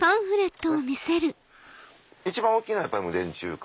一番大きいのは無電柱化。